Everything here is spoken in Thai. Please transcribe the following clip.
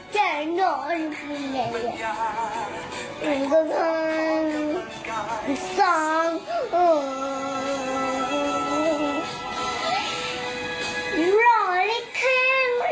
แม่งไม่นอนบาทยา